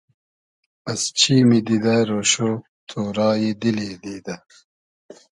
از چیمی دیدۂ رۉشۉ ، تۉرای دیلی دیدۂ